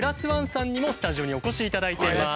さんにもスタジオにお越しいただいています。